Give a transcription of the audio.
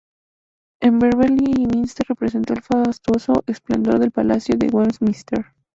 El Beverley Minster representó el fastuoso esplendor del Palacio de Westminster.